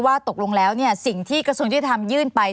ว่าตกลงแล้วเนี่ยสิ่งที่กระทรวงชีวิตธรรมยื่นไป